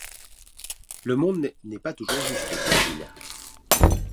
Le monde n'est pas toujours juste dit-il.